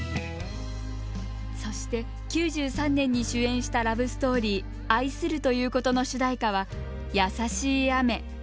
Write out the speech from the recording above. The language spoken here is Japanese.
そして９３年に主演したラブストーリー「愛するということ」の主題歌は「優しい雨」。